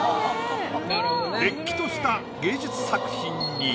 れっきとした芸術作品に。